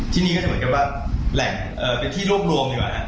ที่นี่ก็จะเหมือนกับแหล่งเป็นที่ร่วม